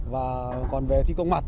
và còn về thi công mặt